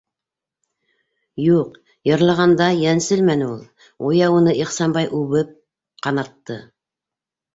Юҡ, йырлағанда йәнселмәне ул, гүйә уны Ихсанбай үбеп ҡанатты.